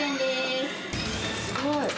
すごい。